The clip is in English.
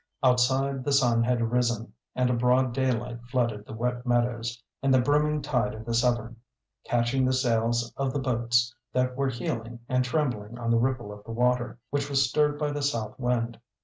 Outside the sun had risen, and a broad daylight flooded the wet meadows and the brimming tide of the Severn, catching the sails of the boats that were heeling and trembling on the ripple of the water, which was stirred by the South wind.